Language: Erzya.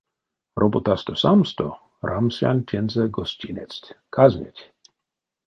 Роботасто самсто рамсян тензэ гостинецть, казнеть.